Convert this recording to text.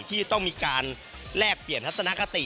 ที่ต้องมีการแลกเปลี่ยนทัศนคติ